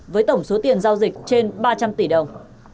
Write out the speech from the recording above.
với tổng số tiền giao dịch trên ba trăm linh tỷ đồng